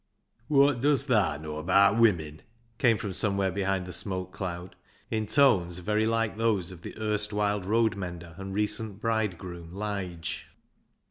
" Wot does thaa know abaat women ?" came from somewhere behind the smoke cloud, in tones very like those of the erstwhile road mender and recent bridegroom, Lige.